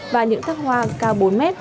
và những thác hoa cao bốn m